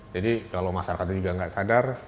jadi kalau masyarakat itu juga tidak sadar